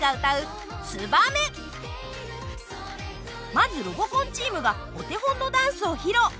まずロボコンチームがお手本のダンスを披露。